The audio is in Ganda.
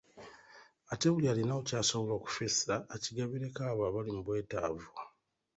Ate buli alinawo kyasobola okufissa akigabireko abo abali mu bwetaavu.